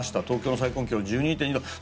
東京、最高気温１２．２度。